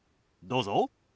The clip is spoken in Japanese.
どうぞ。